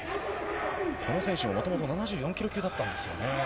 この選手ももともと７４キロ級だったんですよね。